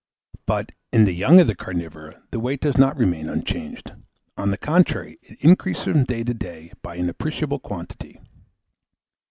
But, in the young of the carnivora, the weight does not remain unchanged; on the contrary, it increases from day to day by an appreciable quantity.